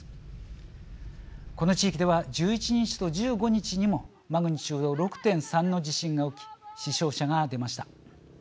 この地域では１１日と１５日にもマグニチュード６．３の地震が起き死傷者が出ました。